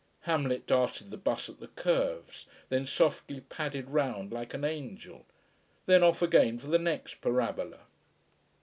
Hamlet darted the bus at the curves; then softly padded round like an angel: then off again for the next parabola.